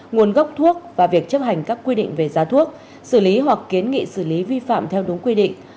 nguồn gốc thuốc và việc chấp hành các quy định về giá thuốc xử lý hoặc kiến nghị xử lý vi phạm theo đúng quy định